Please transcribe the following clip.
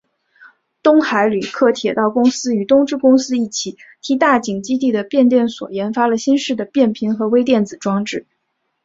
东海旅客铁道公司与东芝公司一起替大井基地的变电所研发了新式的变频和微电子装置。